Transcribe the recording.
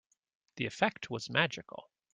The effect was magical.